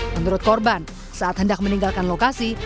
menurut korban saat hendak meninggalkan lokasi